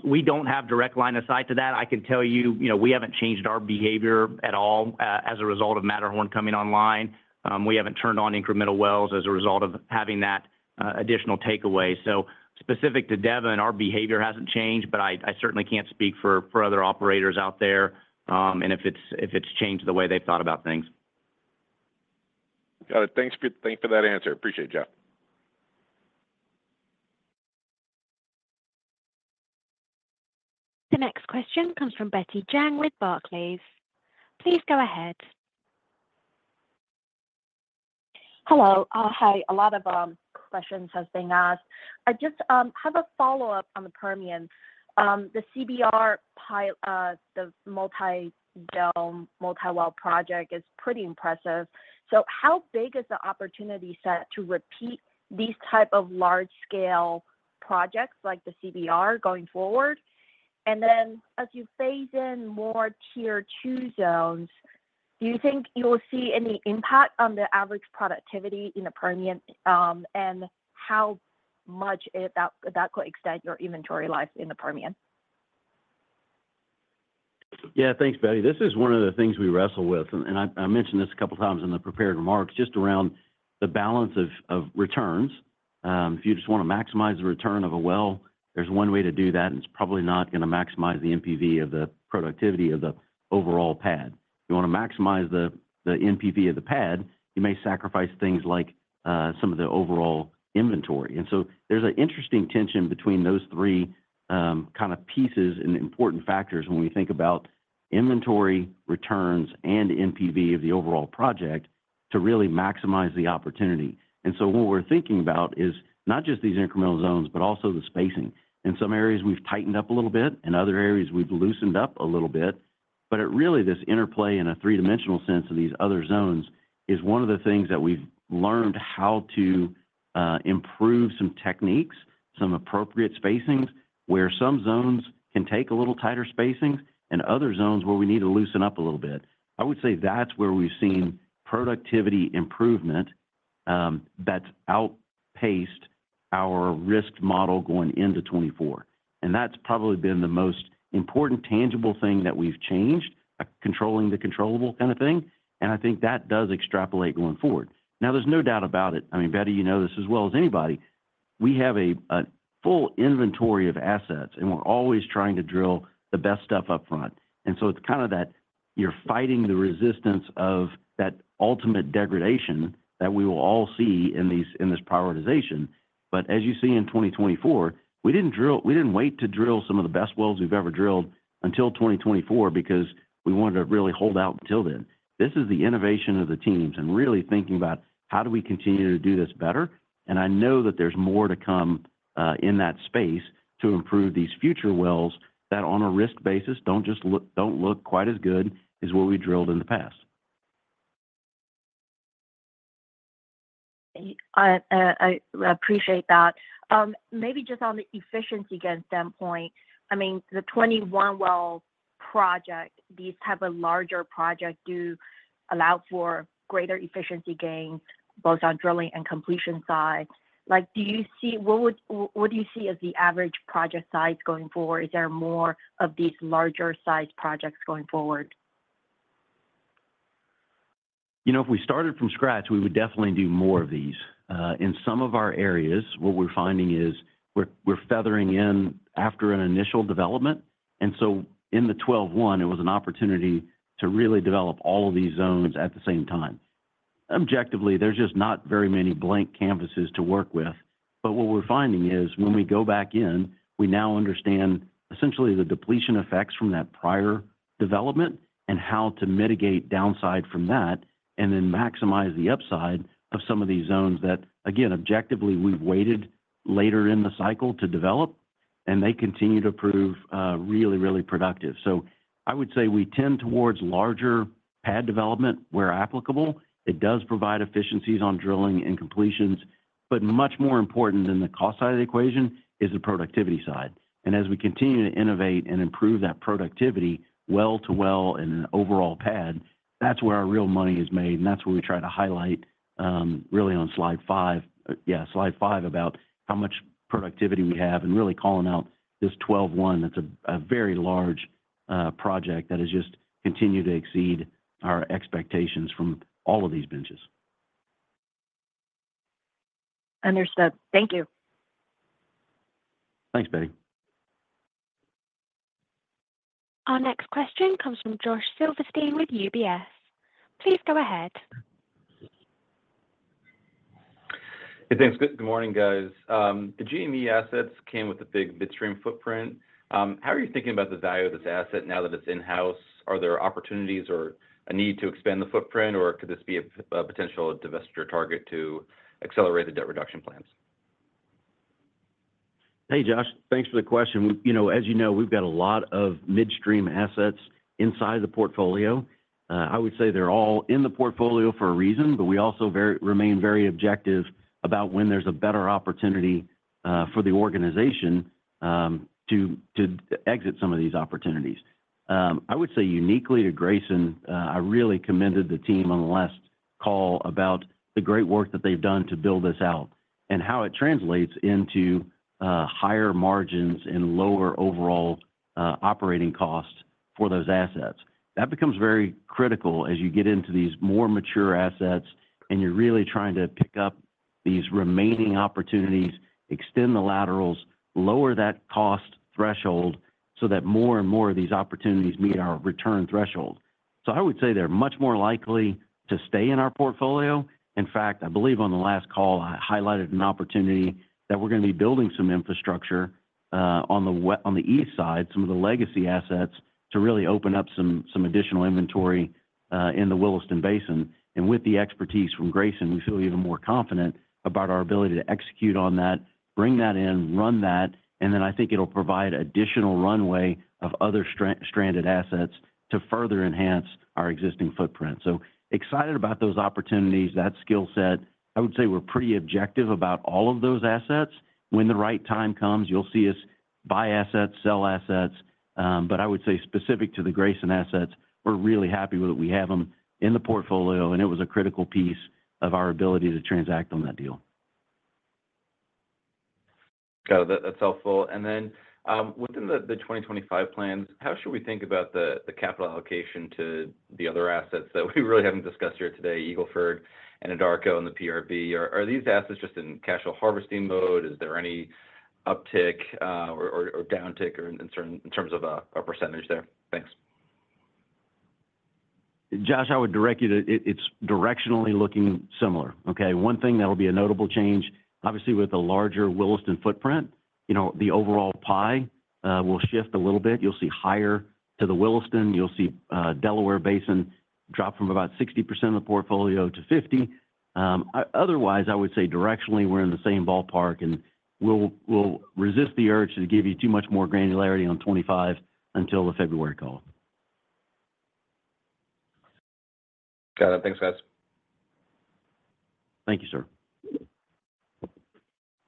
We don't have direct line of sight to that. I can tell you, you know, we haven't changed our behavior at all as a result of Matterhorn coming online. We haven't turned on incremental wells as a result of having that additional takeaway so specific to Devon. Our behavior hasn't changed. I certainly can't speak for other operators out there, and if it's changed the way they've thought about things.
Got it. Thanks for that answer. Appreciate it, Jeff.
The next question comes from Betty Jiang with Barclays. Please go ahead.
Hello. Hi. A lot of questions has been asked. I just have a follow-up on the Permian, the CBR, the multi-zone multi-well project is pretty impressive. So how big is the opportunity set to repeat these type of large-scale projects like the CBR going forward? And then as you phase in more Tier 2 zones, do you think you will see any impact on the average productivity in the Permian and how much that could extend your inventory life in the Permian?
Yeah. Thanks, Betty. This is one of the things we wrestle with, and I mentioned this a couple times in the prepared remarks, just around the balance of returns. If you just want to maximize the return of a well, there's one way to do that and it's probably not going to maximize the NPV of the productivity of the overall pad. You want to maximize the NPV of the pad, you may sacrifice things like some of the overall inventory. And so there's an interesting tension between those three kind of pieces and important factors when we think about inventory returns and NPV of the overall project to really maximize the opportunity. And so what we're thinking about is not just these incremental zones, but also the spacing. In some areas we've tightened up a little bit, in other areas we've loosened up a little bit. But it really, this interplay in a three-dimensional sense of these other zones is one of the things that we've learned how to improve some techniques, some appropriate spacings where some zones can take a little tighter spacing and other zones where we need to loosen up a little bit. I would say that's where we've seen productivity improvement that's outpaced our risk model going into 2024. And that's probably been the most important tangible thing that we've changed. Controlling the controllable kind of thing. And I think that does extrapolate going forward now. There's no doubt about it. I mean, Betty, you know this as well as anybody. We have a full inventory of assets and we're always trying to drill the best stuff up front. And so it's kind of that you're fighting the resistance of that ultimate degradation that we will all see in these, in this prioritization. But as you see in 2024, we didn't drill. We didn't wait to drill some of the best wells we've ever drilled until 2024 because we wanted to really hold out until then. This is the innovation of the teams and really thinking about how do we continue to do this better. And I know that there's more to come in that space to improve these future wells that on a risk basis don't just look, don't look quite as good as what we drilled in the past.
I appreciate that maybe just on the efficiency gain standpoint. I mean, the 21 well project, these type of larger project do allow for greater efficiency gains both on drilling and completion side. Like, do you see what do you see as the average project size going forward? Is there more of these larger size projects going forward?
You know, if we started from scratch, we would definitely do more of these. In some of our areas, what we're finding is we're feathering in after an initial development. And so in the 12.1, it was an opportunity to really develop all of these zones at the same time objectively. There's just not very many blank canvases to work with. But what we're finding is when we go back in, we now understand essentially the depletion effects from that prior development and how to mitigate downside from that and then maximize the upside of some of these zones that again, objectively we've waited later in the cycle to develop and they continue to prove really, really productive. So I would say we tend towards larger pad development where applicable. It does provide efficiencies on drilling and completions. Much more important than the cost side of the equation is the productivity side. As we continue to innovate and improve that productivity well to well in an overall pad, that's where our real money is made. That's what we try to highlight really on slide five. Yeah, slide five, about how much productivity we have and really calling out this CBR 12.1 that's a very large project that has just continued to exceed our expectations from all of these benches.
Understood, thank you.
Thanks, Betty.
Our next question comes from Josh Silverstein with UBS. Please go ahead.
Thanks. Good morning, guys. The GME assets came with a big midstream footprint. How are you thinking about the value? Of this asset now that it's in house? Are there opportunities or a need to expand the footprint or could this be a potential divestiture target to accelerate the debt reduction plans?
Hey, Josh, thanks for the question. You know, as you know, we've got a lot of midstream assets inside the portfolio. I would say they're all in the portfolio for a reason, but we also remain very objective about when there's a better opportunity for the organization to exit some of these opportunities. I would say uniquely to Grayson. I really commended the team on the last call about the great work that they've done to build this out and how it translates into higher margins and lower overall operating cost for those assets. That becomes very critical as you get into these more mature assets and you're really trying to pick up these remaining opportunities, extend the laterals, lower that cost threshold so that more and more of these opportunities meet our return threshold. So I would say they're much more likely to stay in our portfolio. In fact, I believe on the last call I highlighted an opportunity that we're going to be building some infrastructure on the east side, some of the legacy assets, to really open up some additional inventory in the Williston Basin. And with the expertise from Grayson, we feel even more confident about our ability to execute on that. Bring that in, run that, and then I think it'll provide additional runway of other stranded assets to further enhance our existing footprint. So excited about those opportunities, that skill set. I would say we're pretty objective about all of those assets. When the right time comes, you'll see us buy assets, sell assets. But I would say specific to the Grayson assets, we're really happy with it. We have them in the portfolio, and it was a critical piece of our ability to transact on that deal.
Got it. That's helpful. Then within the 2025 plans, how should we think about the capital allocation? To the other assets that we really. Haven't discussed here today? Eagle Ford and Anadarko and the PRB. Are these assets just in cash flow harvesting mode? Is there any uptick or downtick in terms of a percentage? Thanks.
Josh. I would direct you to. It's directionally looking similar. Okay. One thing that will be a notable change. Obviously, with a larger Williston footprint, you know, the overall pie will shift a little bit. You'll see higher to the Williston. You'll see Delaware Basin drop from about 60% of the portfolio to 50%. Otherwise, I would say directionally, we're in the same ballpark, and we'll. We'll resist the urge to give you. Too much more granularity on 2025 until the February call.
Got it. Thanks, guys.
Thank you, sir.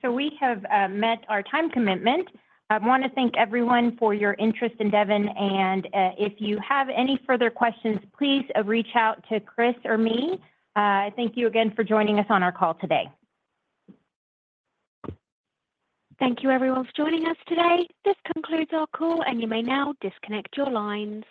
So we have met our time commitment. I want to thank everyone for your interest in Devon. And if you have any further questions, please reach out to Chris or me. Thank you again for joining us on our call today.
Thank you, everyone, for joining us today. This concludes our call, and you may now disconnect your lines.